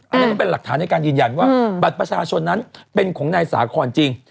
อันนี้ก็เป็นหลักฐานในการยืนยันว่าบัตรประชาชนนั้นเป็นของนายสาคอนจริง